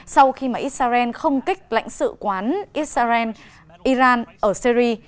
sau khi mà israel không kích lãnh sự quán israel iran ở syri